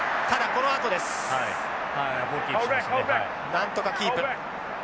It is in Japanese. なんとかキープ。